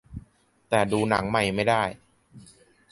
แต่ดูหนังใหม่ไม่ได้